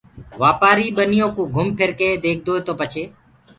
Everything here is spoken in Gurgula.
وآپآري ٻنيو ڪو گھم ڦر ڪي ديکدوئي تو پڇي